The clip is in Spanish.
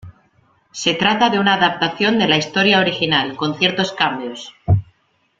Se trata de una adaptación de la historia original, con ciertos cambios.